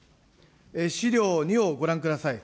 資料２をご覧ください。